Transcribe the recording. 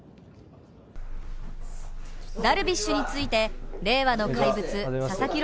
ダルビッシュについて、令和の怪物・佐々木朗